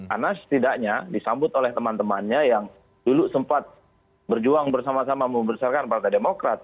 anas setidaknya disambut oleh teman temannya yang dulu sempat berjuang bersama sama membesarkan partai demokrat